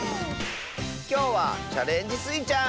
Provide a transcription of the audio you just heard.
きょうは「チャレンジスイちゃん」！